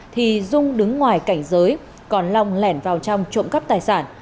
thì dung đứng ngoài cảnh giới còn long lẻn vào trong trộm cắp tài sản